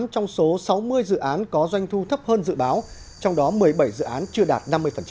một mươi trong số sáu mươi dự án có doanh thu thấp hơn dự báo trong đó một mươi bảy dự án chưa đạt năm mươi